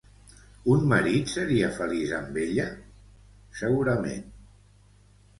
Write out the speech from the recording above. Un marit seria feliç amb ella? Segurament.